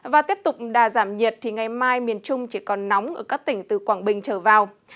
và tiếp tục đà giảm nhiệt thì ngày mai miền trung chỉ còn nóng ở các tỉnh từ quảng bình trở vào